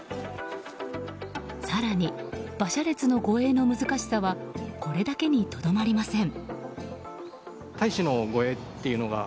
更に、馬車列の護衛の難しさはこれだけにとどまりません。